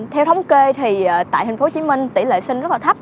theo thống kê thì tại tp hcm tỷ lệ sinh rất là thấp